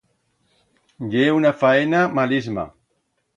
Ye una faena malisma.